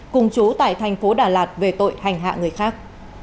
cùng chú tại tp đà lạt về tội hành hạ người khác